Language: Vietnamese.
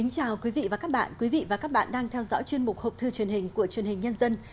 chào mừng quý vị đến với bộ phim học thư truyền hình của chuyên hình nhân dân